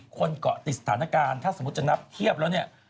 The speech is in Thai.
เกาะติดสถานการณ์ถ้าสมมุติจะนับเทียบแล้วเนี่ย